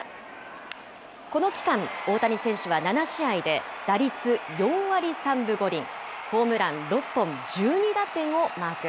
この期間、大谷選手は７試合で打率４割３分５厘、ホームラン６本、１２打点をマーク。